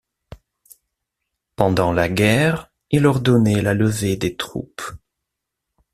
Pendant la guerre, il ordonnait la levée des troupes.